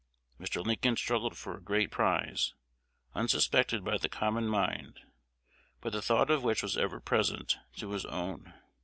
Mr. Lincoln struggled for a great prize, unsuspected by the common mind, but the thought of which was ever present to his own.